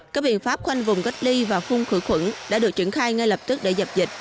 các biện pháp khoanh vùng cách ly và phun khử khuẩn đã được triển khai ngay lập tức để dập dịch